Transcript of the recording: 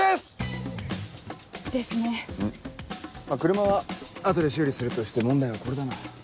車は後で修理するとして問題はこれだな。